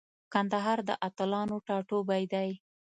کندهار د اتلانو ټاټوبی دی.